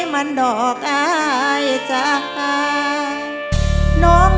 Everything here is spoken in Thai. เพลงเพลง